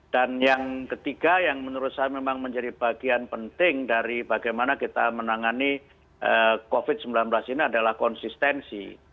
dan yang ketiga yang menurut saya memang menjadi bagian penting dari bagaimana kita menangani covid sembilan belas ini adalah konsistensi